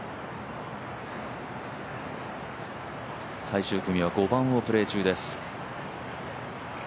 最終組は５番をプレー中です